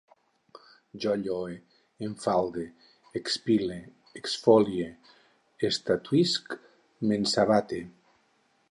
Jo lloe, enfalde, expile, exfolie, estatuïsc, m'ensabate